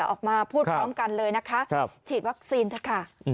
ออกมาพูดพร้อมกันเลยนะคะฉีดวัคซีนเถอะค่ะ